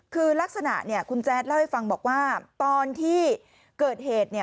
คือลักษณะคุณแจ๊ดเล่าให้ฟังบอกว่าตอนที่เกิดเหตุ